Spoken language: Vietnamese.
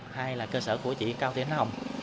hai là cơ sở của chị cao tiến hồng